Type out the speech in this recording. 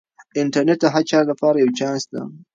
انټرنیټ د هر چا لپاره یو چانس دی.